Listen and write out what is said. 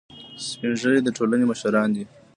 سپین ږیری د ټولنې مشران دي